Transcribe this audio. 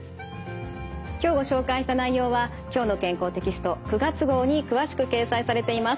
今日ご紹介した内容は「きょうの健康」テキスト９月号に詳しく掲載されています。